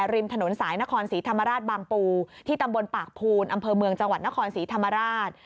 ริมถนนสายนครศรีธรรมราชบางปูที่ตำบลปากภูนอำเภอเมืองจังหวัดนครศรีธรรมราช